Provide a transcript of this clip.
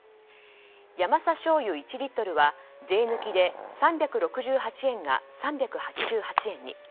ヤマサしょうゆ１リットルは税抜きで３６８円が３８８円に。